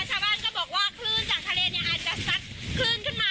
ชาวบ้านก็บอกว่าคลื่นจากทะเลเนี่ยอาจจะซัดคลื่นขึ้นมา